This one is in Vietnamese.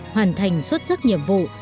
hoàn thành xuất sắc nhiệm vụ